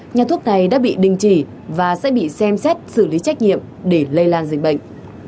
nhà thuốc này đã bị đình chỉ và sẽ bị xem xét xử lý trách nhiệm để lây lan dịch bệnh